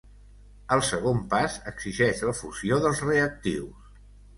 El segon pas exigeix la fusió dels reactius.